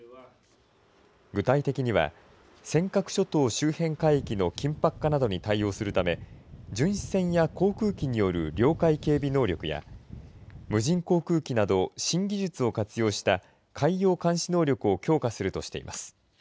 具体的には、尖閣諸島周辺海域の緊迫化などに対応するため、巡視船や航空機による領海警備能力や、無人航空機など新技術を活用した海洋監視能力を強化するとしています。